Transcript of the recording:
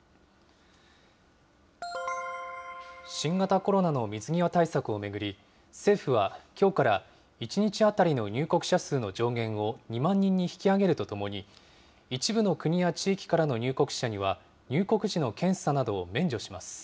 新型コロナの水際対策を巡り、政府はきょうから、１日当たりの入国者数の上限を２万人に引き上げるとともに、一部の国や地域からの入国者には、入国時の検査などを免除します。